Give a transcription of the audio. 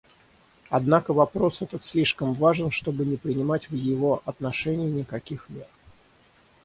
Однако вопрос этот слишком важен, чтобы не принимать в его отношении никаких мер.